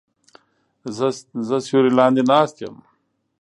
زه سیوری لاندې ناست یم